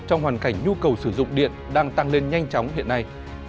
trong hoàn cảnh nhu cầu sử dụng điện đang tăng lên nhanh chóng hiện nay